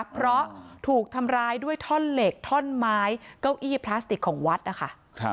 เพราะถูกทำร้ายด้วยท่อนเหล็กท่อนไม้เก้าอี้พลาสติกของวัดนะคะ